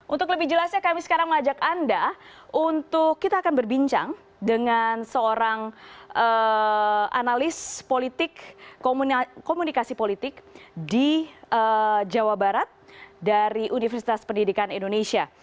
untuk lebih jelasnya kami sekarang mengajak anda untuk kita akan berbincang dengan seorang analis politik komunikasi politik di jawa barat dari universitas pendidikan indonesia